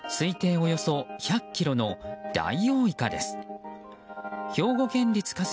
およそ１００ｋｇのダイオウイカです。